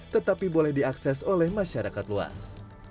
tetapi boleh diakses oleh masyarakat luas